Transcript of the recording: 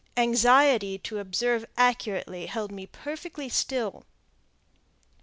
Anxiety to observe accurately held me perfectly still.